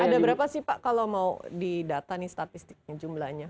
ada berapa sih pak kalau mau didata nih statistiknya jumlahnya